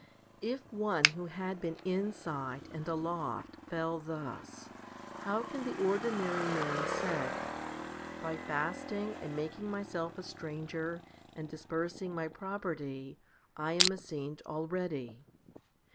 15. If one who had been inside and aloft fell thus, how can the ordinary man say, "By fasting, and making myself a stranger, and dispersing my property, I am a saint already